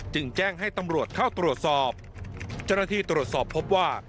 จึงแจ้งให้ตำรวจเข้าตรวจสอบเจ้าหน้าที่ตรวจสอบพบว่า